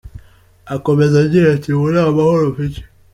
Akomeza agira ati “Ubu nta mahoro mfite.